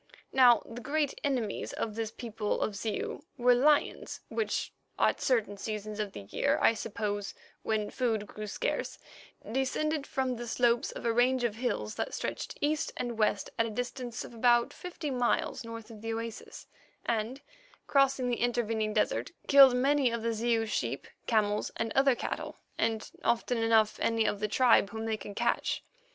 Now the great enemies of this people of Zeu were lions, which at certain seasons of the year, I suppose when food grew scarce, descended from the slopes of a range of hills that stretched east and west at a distance of about fifty miles north of the oasis, and, crossing the intervening desert, killed many of the Zeu sheep, camels, and other cattle, and often enough any of the tribe whom they could catch.